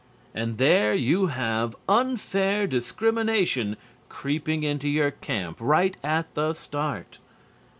And there you have unfair discrimination creeping into your camp right at the start.